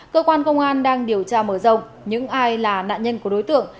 cơ quan công an đang điều tra mở rộng những ai là nạn nhân của đối tượng